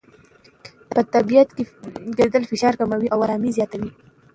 په طبیعت کې ګرځېدل فشار کموي او آرامۍ زیاتوي.